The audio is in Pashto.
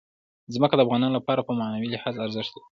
ځمکه د افغانانو لپاره په معنوي لحاظ ارزښت لري.